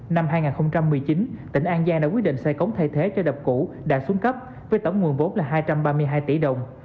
năm hai nghìn một mươi chín tỉnh an giang đã quyết định xây cống thay thế cho đập cũ đã xuống cấp với tổng nguồn vốn là hai trăm ba mươi hai tỷ đồng